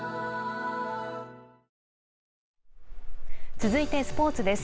続いてスポーツです。